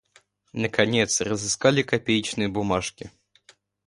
Наконец, разыскали копеечные бумажки.